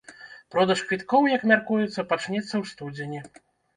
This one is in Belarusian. Продаж квіткоў, як мяркуецца, пачнецца ў студзені.